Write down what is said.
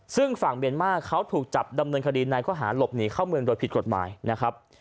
ซึ่งฝั่งเมียนมาร์เขาถูกจับดำเนินคดีในข้อหาหลบหนีเข้าเมืองโดยผิดกฎหมายนะครับ